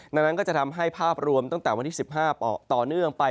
ดังนั้นก็จะทำให้ภาพรวมตั้งแต่วันที่๑๕ต่อเนื่องไป